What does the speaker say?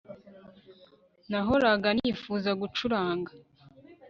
Nahoraga nifuza gucuranga